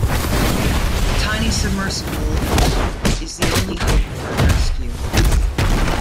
The tiny submersible is the only hope for a rescue.